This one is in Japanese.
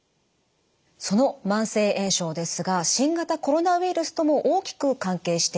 その慢性炎症ですが新型コロナウイルスとも大きく関係しています。